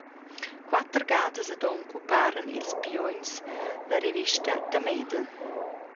Quater gadas ad onn cumparan ils Piogns, la revista da Medel.